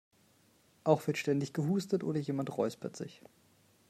Auch wird ständig gehustet oder jemand räuspert sich.